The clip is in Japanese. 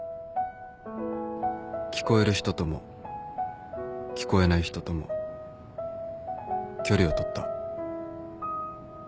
聞こえる人とも聞こえない人とも距離をとった